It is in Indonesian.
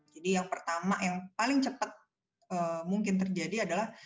jadi yang pertama yang paling cepat mungkin terjadi adalah